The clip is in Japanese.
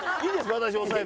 私押さえて。